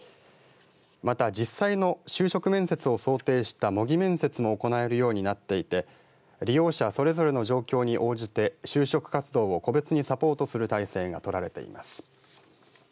また、実際の就職面接を想定した模擬面接も行えるようになっていて利用者それぞれの状況に応じて就職活動を個別にサポートする体制が取られています。